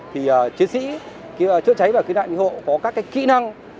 thì chiến sĩ chữa cháy và khí nạn hộ có các cái kỹ năng